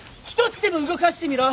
１つでも動かしてみろ。